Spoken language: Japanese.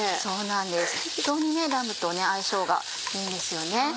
そうなんですラムと相性がいいんですよね。